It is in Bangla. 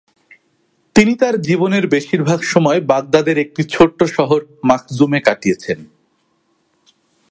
তিনি তাঁর জীবনের বেশিরভাগ সময় বাগদাদের একটি ছোট্ট শহর মাখজুমে কাটিয়েছেন।